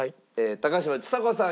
高嶋ちさ子さん